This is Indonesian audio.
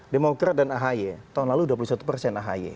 demokrat dan ahy tahun lalu dua puluh satu persen ahy